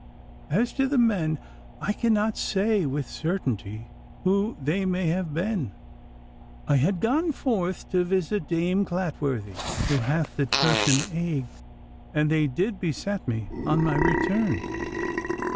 As to the men, I cannot say with certainty who they may have been. I had gone forth to visit Dame Clatworthy, who hath the tertian ague, and they did beset me on my return.